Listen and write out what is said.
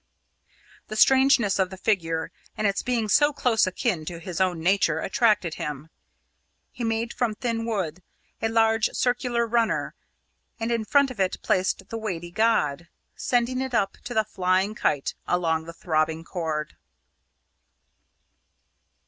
The strangeness of the figure, and its being so close akin to his own nature, attracted him. He made from thin wood a large circular runner, and in front of it placed the weighty god, sending it up to the flying kite along the throbbing cord.